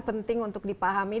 penting untuk dipahami